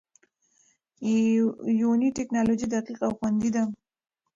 یوني ټېکنالوژي دقیق او خوندي ده.